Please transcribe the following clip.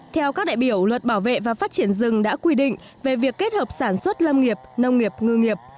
theo các đại biểu luật bảo vệ và phát triển rừng đã quy định về việc kết hợp sản xuất lâm nghiệp nông nghiệp ngư nghiệp